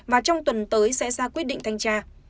và trong tuần tới sẽ ra quyết định thanh tra